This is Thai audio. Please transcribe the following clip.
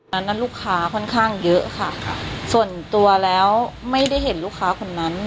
นั้นลูกค้าค่อนข้างเยอะค่ะส่วนตัวแล้วไม่ได้เห็นลูกค้าคนนั้น